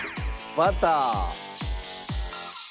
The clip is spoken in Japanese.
バター。